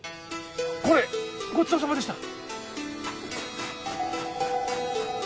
これごちそうさまでした！